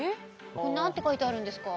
これ何て書いてあるんですか？